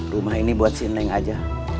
rumah ini buat sineng aja